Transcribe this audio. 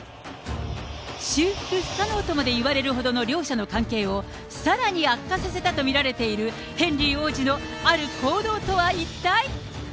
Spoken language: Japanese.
修復不可能とまで言われるほどの両者の関係を、さらに悪化させたと見られているヘンリー王子のある行動とは一体。